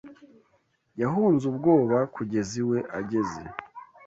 Yahunze ubwoba, kugeza iwe ageze